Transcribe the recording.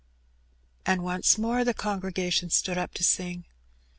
And once more the congregation stood up to sing.